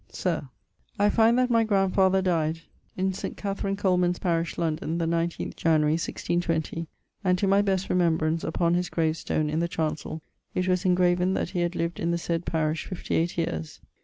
_ Sir, I find that my grandfather dyed in St. Cathrin Coleman's parish London, the 19ᵉ January, 1620, and to my best rememberance upon his gravestone in the chancell it was ingraven that hee had lived in the said parrish 58 yeares.